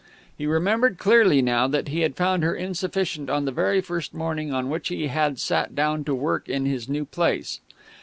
He remembered clearly now that he had found her insufficient on the very first morning on which he had sat down to work in his new place.